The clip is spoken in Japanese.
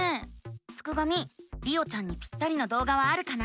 すくがミりおちゃんにぴったりな動画はあるかな？